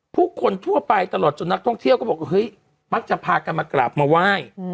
ผู้คนทั่วไปตลอดจนนักท่องเที่ยวก็บอกเฮ้ยมักจะพากันมากราบมาไหว้